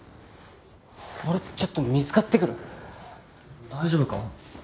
俺ちょっと水買ってくる大丈夫か？